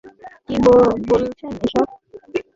কী বলছেন এসব?